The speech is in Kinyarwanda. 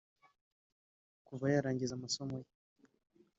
Kuva yarangiza amasomo ye